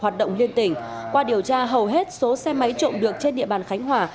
trong liên tỉnh qua điều tra hầu hết số xe máy trộm được trên địa bàn khánh hòa